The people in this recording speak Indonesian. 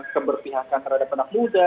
keberpihakan terhadap anak muda